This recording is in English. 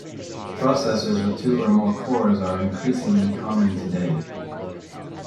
Processors with two or more cores are increasingly common today.